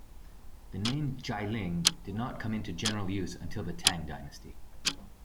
The name Jialing did not come into general use until the Tang Dynasty.